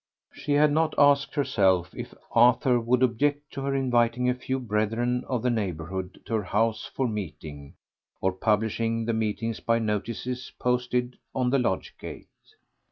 She had not asked herself if Arthur would object to her inviting a few brethren of the neighbourhood to her house for meeting, or publishing the meetings by notices posted on the lodge gate.